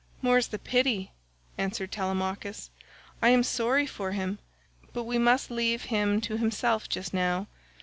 "More's the pity," answered Telemachus, "I am sorry for him, but we must leave him to himself just now.